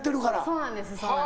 そうなんですよ。